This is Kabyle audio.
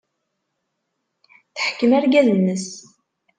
Teḥkem argaz-nnes.